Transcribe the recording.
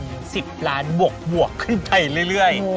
โดดขึ้นเป็น๑๐ล้านบวกขึ้นไปเรื่อย